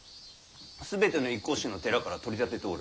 全ての一向宗の寺から取り立てておる。